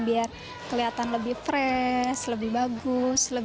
biar kelihatan lebih fresh lebih bagus